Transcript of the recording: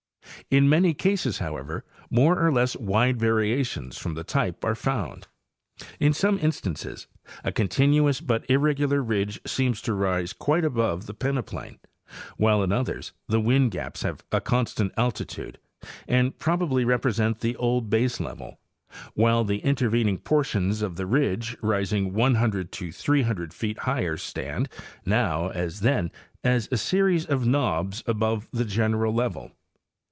In many cases, however, more or less wide variations from the type are found. In some instances a continuous but irregular ridge seems to rise quite above the peneplain, while in others the wind gaps have a constant altitude and probably represent the old baselevel, while the intervening portions of the ridge rising 100 to 300 feet higher stand, now as then, as a series of knobs above the general level.